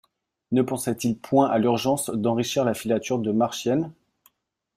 Ne pensaient-ils point à l'urgence d'enrichir la filature de Marchiennes?